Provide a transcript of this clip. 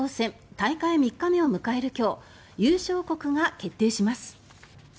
大会３日目を迎える今日優勝国が決定します。